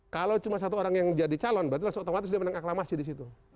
kalau cuma satu orang yang jadi calon berarti langsung otomatis dia menang aklamasi di situ